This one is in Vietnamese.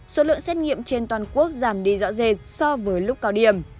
số lượng xét nghiệm trên toàn quốc giảm đi rõ rệt so với lúc cao điểm